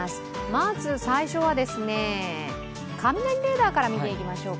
まず最初は雷レーダーから見ていきましょう。